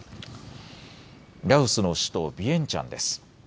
ラオスの首都ビエンチャンです。